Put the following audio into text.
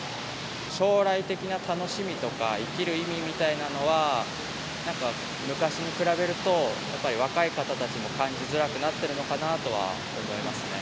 将来的な楽しみとか、生きる意味みたいなのは、なんか、昔に比べるとやっぱり若い方たちも感じづらくなってるのかなとは思いますね。